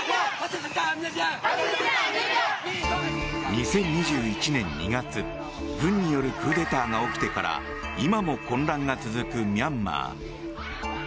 ２０２１年２月軍によるクーデターが起きてから今も混乱が続くミャンマー。